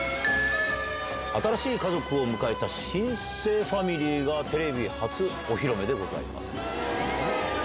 新しい家族を迎えた新生ファミリーがテレビ初お披露目でございます。